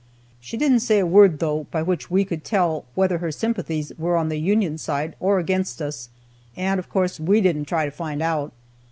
She didn't say a word, though, by which we could tell whether her sympathies were on the Union side or against us, and of course we didn't try to find out.